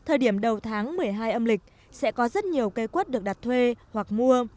ở hai âm lịch sẽ có rất nhiều cây quất được đặt thuê hoặc mua